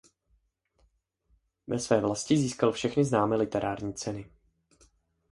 Ve své vlasti získal všechny známé literární ceny.